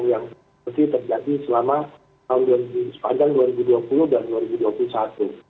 yang seperti terjadi selama sepanjang dua ribu dua puluh dan dua ribu dua puluh satu